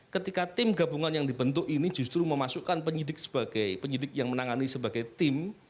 ketika tim gabungan yang dibentuk ini justru memasukkan penyidik sebagai penyidik yang menangani sebagai tim